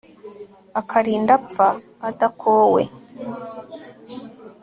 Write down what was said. akalinda apfa adakowe